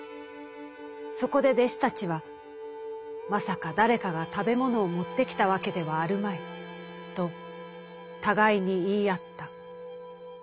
そこで弟子たちは『まさか誰かが食べ物を持って来たわけではあるまい』と互いに言い合った」。